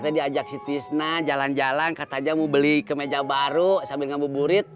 udah diajak si tisna jalan jalan katanya mau beli ke meja baru sambil ngambu burit